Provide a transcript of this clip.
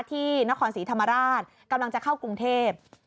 ที่นครศรีธรรมราชกำลังจะเข้ากรุงเทพ